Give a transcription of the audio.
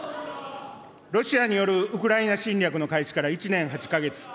ロシアによるウクライナ侵略の開始から１年８か月。